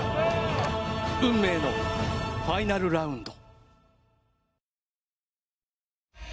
運命のファイナルラウンド。